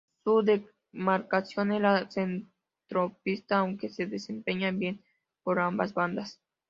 Su demarcación es la de centrocampista, aunque se desempeña bien por ambas bandas.